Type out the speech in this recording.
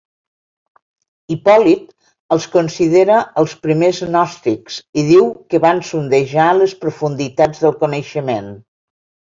Hipòlit els considera els primers gnòstics, i diu que van sondejar les profunditats del coneixement.